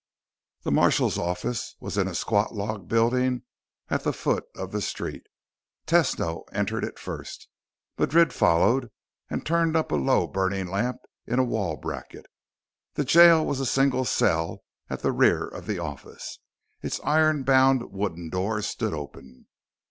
The marshal's office was in a squat log building at the foot of the street. Tesno entered it first. Madrid followed and turned up a low burning lamp in a wall bracket. The jail was a single cell at the rear of the office. Its iron bound wooden door stood open.